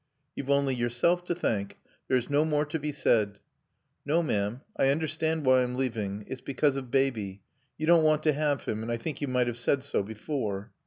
"You've only yourself to thank. There's no more to be said." "No, ma'am. I understand why I'm leaving. It's because of Baby. You don't want to 'ave 'im, and I think you might have said so before."